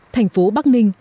thành phố bắc ninh